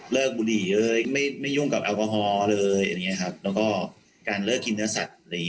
เลิกบุหรี่ไม่ยุ่งกับแอลกอฮอล์และการเลิกกินเนื้อสัตว์